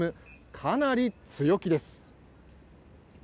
かなり強気です。